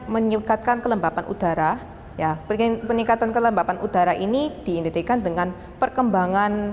meningkatkan kelembapan udara ya peningkatan kelembapan udara ini diidentikan dengan perkembangan